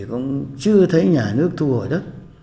chưa thấy nhà nước thu hồi đất